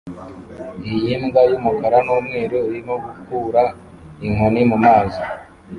Iyi mbwa yumukara numweru irimo gukura inkoni mumazi